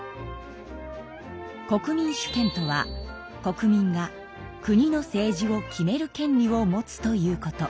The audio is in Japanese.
国民主権とは国民が国の政治を決める権利を持つということ。